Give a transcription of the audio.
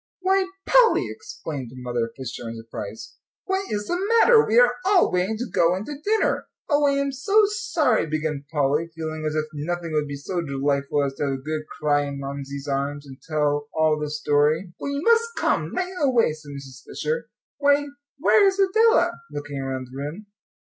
"Why, Polly!" exclaimed Mother Fisher, in surprise, "what is the matter? We are all waiting to go in to dinner." "Oh, I'm so sorry," began Polly, feeling as if nothing would be so delightful as to have a good cry in Mamsie's arms and tell all the story. "Well, you must come right away," said Mrs. Fisher. "Why, where is Adela?" looking around the room.